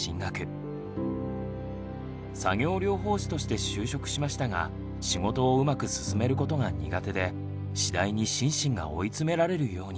作業療法士として就職しましたが仕事をうまく進めることが苦手で次第に心身が追い詰められるように。